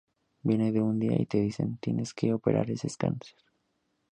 Vienen un día y te dicen: te tienes que operar que es cáncer.